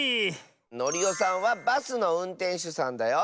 ノリオさんはバスのうんてんしゅさんだよ。